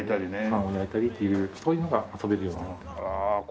パンを焼いたりというそういうのが遊べるようになってます。